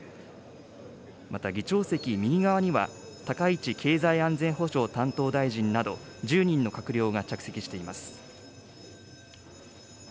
また議長席右側には、高市経済安全保障担当大臣など、１０人の閣僚が着席しています。